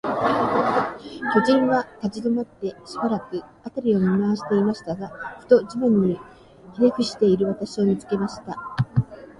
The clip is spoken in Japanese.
巨人は立ちどまって、しばらく、あたりを見まわしていましたが、ふと、地面にひれふしている私を、見つけました。